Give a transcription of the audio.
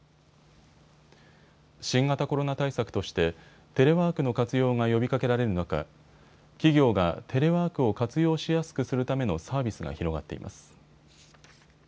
新型コロナ対策としてテレワークの活用が呼びかけられる中、企業がテレワークを活用しやすくするためのサービスが広がっています。